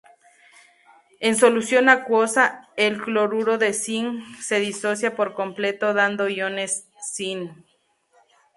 En solución acuosa, el cloruro de cinc se disocia por completo dando iones Zn.